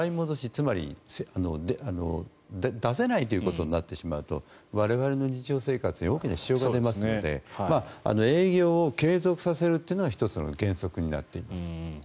つまり、出せないということになってしまうと我々の日常生活に大きな支障が出ますので営業を継続させるというのが１つの原則になっています。